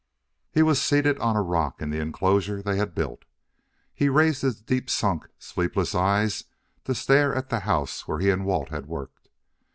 He was seated on a rock in the enclosure they had built. He raised his deep sunk, sleepless eyes to stare at the house where he and Walt had worked.